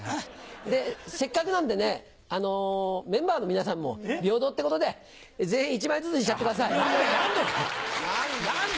で、せっかくなんでね、メンバーの皆さんも平等っていうことで、全員１枚ずつにしちゃっなんで？